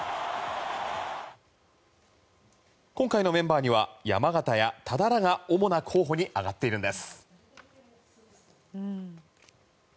今回のメンバーには山縣や多田らが主な候補に挙がっているんです。